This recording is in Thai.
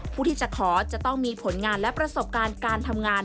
ผู้ที่จะขอจะต้องมีผลงานและประสบการณ์การทำงาน